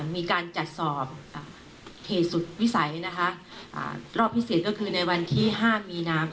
มีการจัดสอบเหตุสุดวิสัยนะคะรอบพิเศษก็คือในวันที่๕มีนาคม